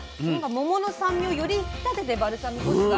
桃の酸味をより引き立ててバルサミコ酢が。